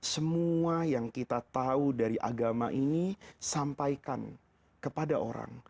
semua yang kita tahu dari agama ini sampaikan kepada orang